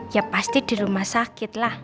ya pasti di rumah sakit lah